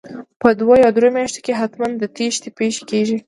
په دوو یا درو میاشتو کې حتمن د تېښتې پېښې کیږي